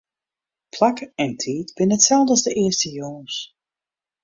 Plak en tiid binne itselde as de earste jûns.